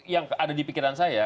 yang ada di pikiran saya